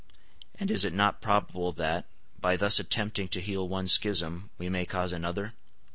And is it not probable that, by thus attempting to heal one schism, we may cause another?